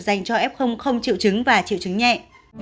dành cho f không chịu chứng và chịu chứng nhẹ